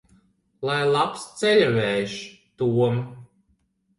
Lai labs ceļavējš, Tom!